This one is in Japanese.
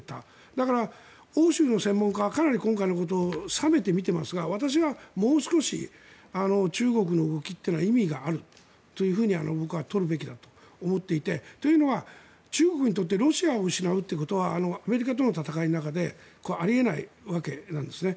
だから、欧州の専門家はかなり今回のことを冷めて見ていますが私はもう少し、中国の動きというのは意味があると僕は取るべきだと思っていてというのは中国にとってロシアを失うということはアメリカとの戦いの中であり得ないわけなんですね。